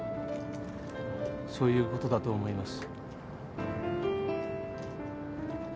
そういうことだと思います。